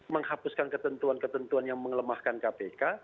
menghapuskan ketentuan ketentuan yang mengelemahkan kpk